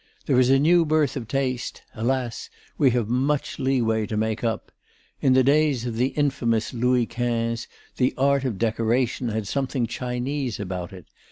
There is a new birth of taste. Alas! we have much leeway to make up. In the days of the infamous Louis XV the art of decoration had something Chinese about it.